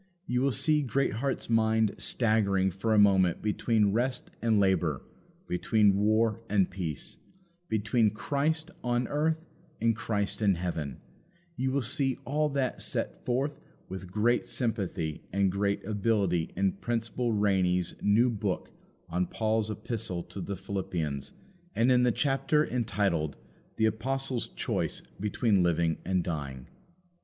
You will see Greatheart's mind staggering for a moment between rest and labour, between war and peace, between "Christ" on earth and "Christ" in heaven you will see all that set forth with great sympathy and great ability in Principal Rainy's new book on Paul's Epistle to the Philippians, and in the chapter entitled, The Apostle's Choice between Living and Dying.